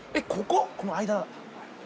この間だ。